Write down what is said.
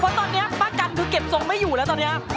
เพราะตอนนี้ป้ากันคือเก็บทรงไม่อยู่แล้วตอนนี้